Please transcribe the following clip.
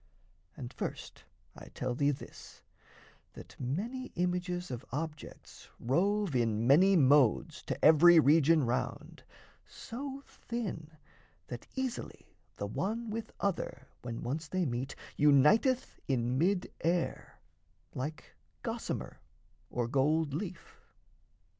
And first I tell thee this: That many images of objects rove In many modes to every region round So thin that easily the one with other, When once they meet, uniteth in mid air, Like gossamer or gold leaf.